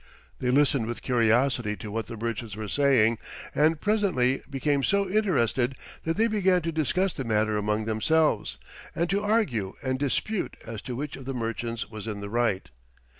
They listened with curiosity to what the merchants were saying and presently became so interested that they began to discuss the matter among themselves, and to argue and dispute as to which of the merchants was in the right.